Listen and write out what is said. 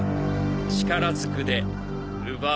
力ずくで奪うまで。